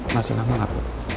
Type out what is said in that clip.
masih lama gak